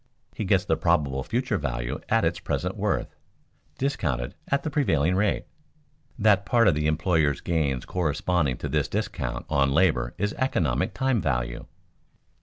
He gets the probable future value at its present worth, discounted at the prevailing rate. That part of the employer's gains corresponding to this discount on labor is economic time value.